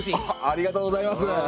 ありがとうございます！